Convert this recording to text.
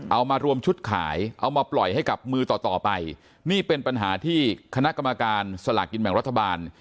เอามารวมชุดขายเอามาปล่อยให้กับมือต่อต่อไปนี่เป็นปัญหาที่คณะกรรมการสลากกินแบ่งรัฐบาล